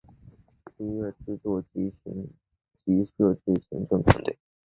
音乐制作形像及设计行政团队